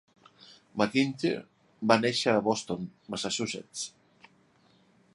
McIntyre va néixer a Boston, Massachusetts.